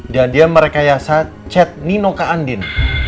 dan dia merekayasa chat nino ke andin